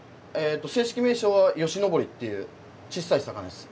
正式名称はヨシノボリっていうちっさい魚です。